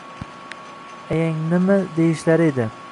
ayangnimi deyishlari edi.